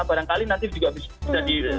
barangkali nanti juga bisa